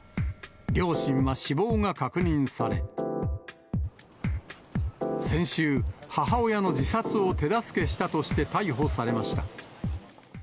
両親は死亡が確認され、先週、母親の自殺を手助けしたとして逮捕されました。